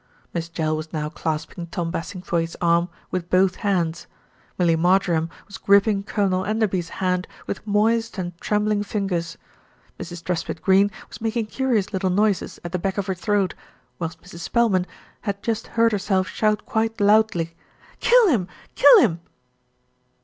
Miss Jell was now clasping Tom Bassingthwaighte's arm with both hands. Millie Marjoram was gripping Colonel Enderby's hand with moist and trembling fingers. Mrs. Truspitt Greene was making curious little noises at the back of her throat; whilst Mrs. Spel man had just heard herself shout quite loudly, "Kill him! Kill him!"